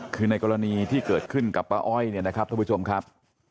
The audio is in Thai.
คือในกรณีที่เกิดขึ้นกับป้าอ้อยเนี่ยนะครับท่านผู้ชมครับ